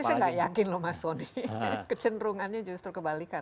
tapi saya nggak yakin loh mas soni kecenderungannya justru kebalikan